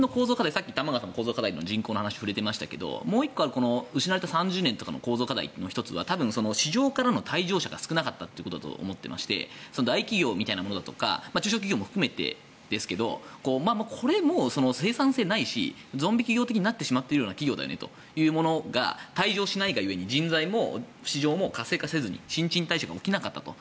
さっき玉川さんも日本の人口の構造課題に触れていましたがもう１個は失われた３０年の構造から言えるのは多分、市場からの退場者が少なかったことだと思っていまして大企業、中小企業も含めてこれはもう生産性ないしゾンビ企業的になってしまっているような企業だよねというものが退場しないが故に人材も市場も活性化せずに新陳代謝が起きなかったと。